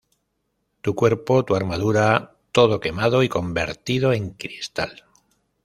Tu cuerpo, tu armadura- todo quemado y convertido en cristal.